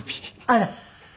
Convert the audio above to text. あら。